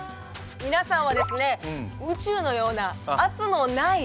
皆さんはですね宇宙のような圧のない。